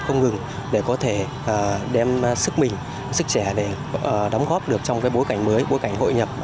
không ngừng để có thể đem sức mình sức trẻ để đóng góp được trong bối cảnh mới bối cảnh hội nhập